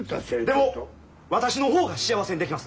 でも私の方が幸せにできます。